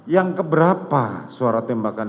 yang keberapa suara tembakan